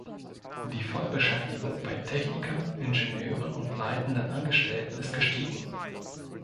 Die Vollbeschäftigung bei Technikern, Ingenieuren und leitenden Angestellten ist gestiegen.